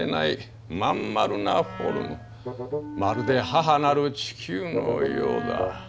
まるで母なる地球のようだ。